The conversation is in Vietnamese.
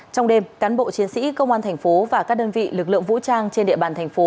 trong đêm cán bộ chiến sĩ công an thành phố và các đơn vị lực lượng vũ trang trên địa bàn thành phố